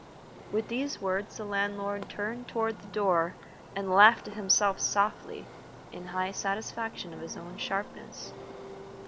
With these words the landlord turned toward the door, and laughed to himself softly, in high satisfaction at his own sharpness.